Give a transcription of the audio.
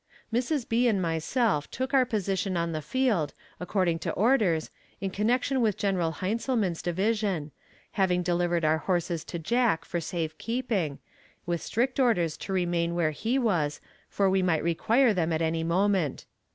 Mrs. B. and myself took our position on the field, according to orders, in connection with Gen. Heintzelman's division, having delivered our horses to Jack for safe keeping, with strict orders to remain where he was, for we might require them at any moment.